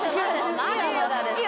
まだまだですよ